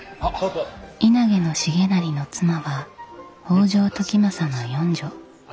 稲毛重成の妻は北条時政の四女。